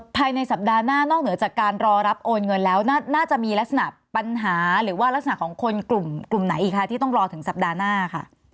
ภายในสัปดาห์หน้านอกเหนือจากการรอรับโอนเงินแล้วน่าจะมีลักษณะปัญหาหรือว่ารักษณะของคนกลุ่มไหนอีกคะที่ต้องรอถึงสัปดาห์หน้าค่ะ